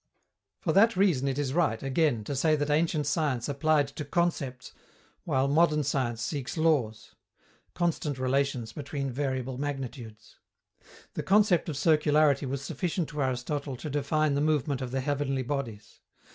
For that reason it is right, again, to say that ancient science applied to concepts, while modern science seeks laws constant relations between variable magnitudes. The concept of circularity was sufficient to Aristotle to define the movement of the heavenly bodies.